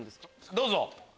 どうぞ！